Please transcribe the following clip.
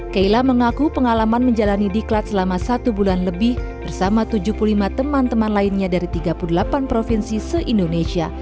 kaila mengaku pengalaman menjalani diklat selama satu bulan lebih bersama tujuh puluh lima teman teman lainnya dari tiga puluh delapan provinsi se indonesia